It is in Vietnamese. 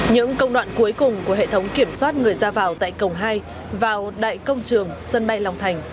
những công đoạn cuối cùng của hệ thống kiểm soát người ra vào tại cổng hai vào đại công trường sân bay long thành